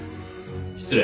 失礼。